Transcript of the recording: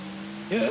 えっ？